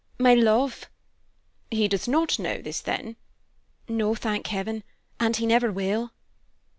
My love." "He does not know this, then?" "No, thank heaven! And he never will."